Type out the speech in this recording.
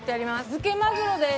漬けまぐろです。